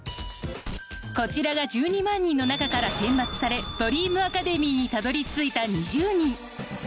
こちらが１２万人の中から選抜され『ＤｒｅａｍＡｃａｄｅｍｙ』にたどり着いた２０人。